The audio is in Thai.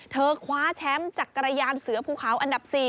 คว้าแชมป์จักรยานเสือภูเขาอันดับ๔